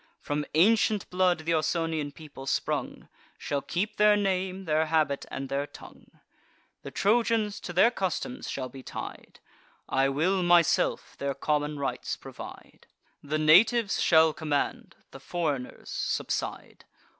From ancient blood th' Ausonian people sprung, Shall keep their name, their habit, and their tongue. The Trojans to their customs shall be tied: I will, myself, their common rites provide; The natives shall command, the foreigners subside.